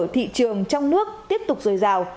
thị trường trong nước tiếp tục rời rào